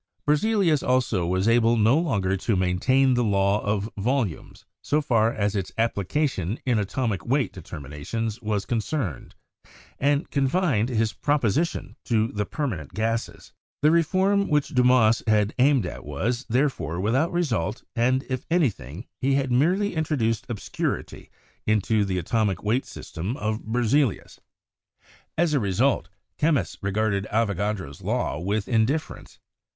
Berzelius also was able no longer to maintain the law of volumes so far as its application in atomic weight de terminations was concerned, and confined his proposition to the permanent gases. The reform which Dumas had aimed at was, therefore, without result, and, if anything, he had merely introduced obscurity into the atomic weight system of Berzelius. BERZELIUS AND THE ATOMIC THEORY 217 As a result, chemists regarded Avogadro's law with in difference.